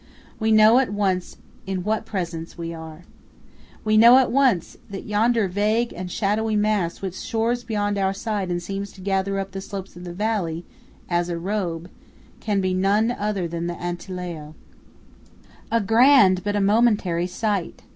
We know at once in what Presence we are. We know at once that yonder vague and shadowy mass which soars beyond our sight and seems to gather up the slopes of the valley as a robe, can be none other than the Antelao. A grand, but a momentary sight!